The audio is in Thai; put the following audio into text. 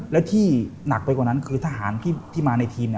และที่หนักไปกว่านั้นคือทหารที่มาในทีม